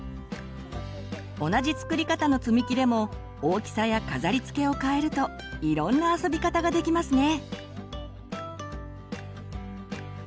同じ作り方のつみきでも大きさや飾りつけをかえるといろんな遊び方ができますね！